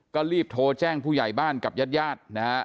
ก็รีบโทรแจ้งผู้ใหญ่บ้านกับญาติยาด